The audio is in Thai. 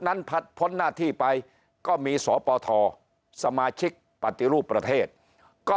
นั้นพ้นหน้าที่ไปก็มีสปทสมาชิกปฏิรูปประเทศก็